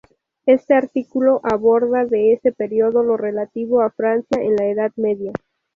Este artículo aborda, de ese periodo, lo relativo a Francia en la Edad Media.